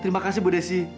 terima kasih ibu desi